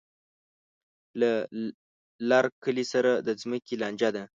له لر کلي سره د ځمکې لانجه ده.